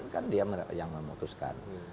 kan dia yang memutuskan